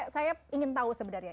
saya ingin tahu sebenarnya